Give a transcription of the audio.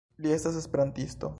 Li estas esperantisto